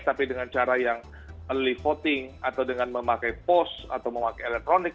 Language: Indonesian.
tapi dengan cara yang early voting atau dengan memakai post atau memakai elektronik